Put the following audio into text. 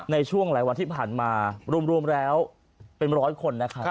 ในช่วงหลายวันที่ผ่านมารวมแล้วเป็น๑๐๐คน